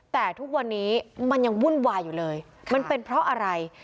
แต่ทุกวันนี้มันยังวุ่นวายอยู่เลยมันเป็นเพราะอะไร